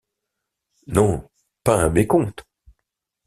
Non, pas un mécompte!